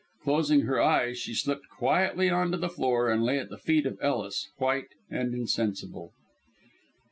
Closing her eyes she slipped quietly on to the floor, and lay at the feet of Ellis, white and insensible.